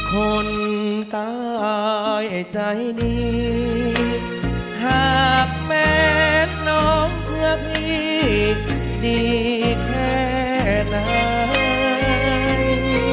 คนตายใจดีหากแม้น้องเชื่อพี่ดีแค่ไหน